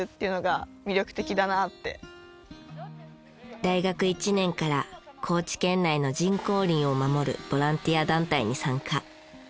大学１年から高知県内の人工林を守るボランティア団体に参加。